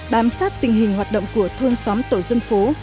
bám sát tình hình hoạt động của thôn xóm tổ dân phố